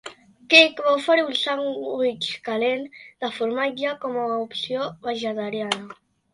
Quick va oferir un sandvitx calent de formatge com a opció vegetariana.